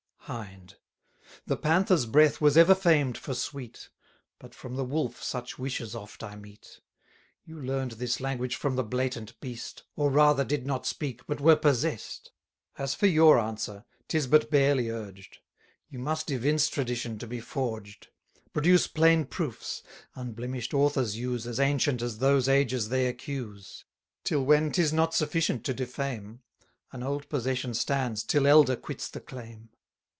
Hind: The Panther's breath was ever famed for sweet; But from the Wolf such wishes oft I meet: You learn'd this language from the Blatant Beast, 230 Or rather did not speak, but were possess'd. As for your answer, 'tis but barely urged: You must evince Tradition to be forged; Produce plain proofs: unblemish'd authors use As ancient as those ages they accuse; 'Till when 'tis not sufficient to defame: An old possession stands, 'till elder quits the claim.